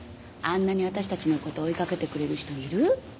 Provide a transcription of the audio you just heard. あんなにあたしたちのこと追い掛けてくれる人いる？